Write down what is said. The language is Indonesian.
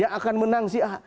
yang akan menang si a